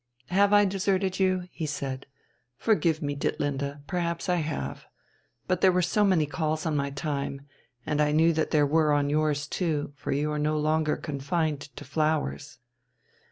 "Have I deserted you?" he said. "Forgive me, Ditlinde, perhaps I have. But there were so many calls on my time, and I knew that there were on yours too; for you are no longer confined to flowers."